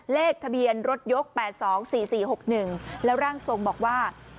เลขทะเบียนรถยกแปดสองสี่สี่หกหนึ่งแล้วร่างทรงบอกว่า